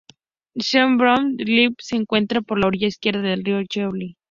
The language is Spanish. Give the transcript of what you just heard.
Saint-Blaise-sur-Richelieu se encuentra por la orilla izquierda del río Richelieu.